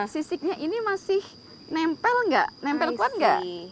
sisiknya ini masih nempel gak